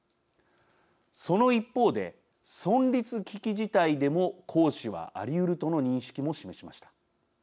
その一方で存立危機事態でも行使はありうるとの認識も示しました。